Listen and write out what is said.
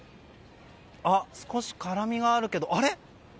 少し辛みがあるけどあれ？